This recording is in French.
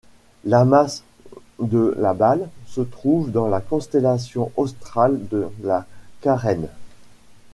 L'amas de la Balle se trouve dans la constellation australe de la Carène.